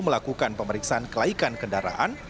melakukan pemeriksaan kelaikan kendaraan